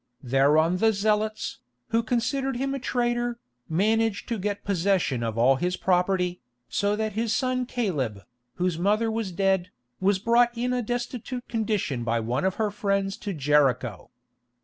Thereon the Zealots, who considered him a traitor, managed to get possession of all his property, so that his son Caleb, whose mother was dead, was brought in a destitute condition by one of her friends to Jericho.